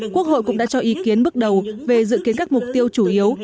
quốc hội cũng đã cho ý kiến bước đầu về dự kiến các mục tiêu chủ yếu